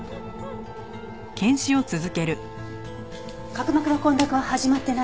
角膜の混濁は始まってない。